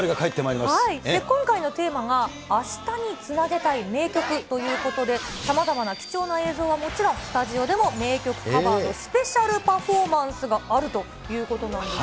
今回のテーマが、明日につなげたい名曲ということで、さまざまな貴重な映像はもちろん、スタジオでも名曲カバーのスペシャルパフォーマンスがあるということなんです。